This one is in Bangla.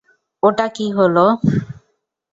ওটা কী হল?